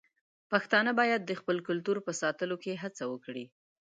پښتانه بايد د خپل کلتور په ساتلو کې هڅه وکړي.